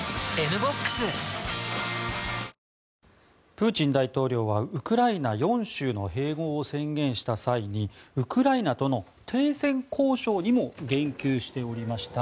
プーチン大統領はウクライナ４州の併合を宣言した際にウクライナとの停戦交渉にも言及しておりました。